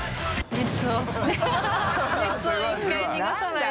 熱を１回逃がさないと。